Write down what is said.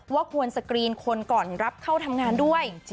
ว่าควรสกรีนคนก่อนรับเข้าทำงานด้วย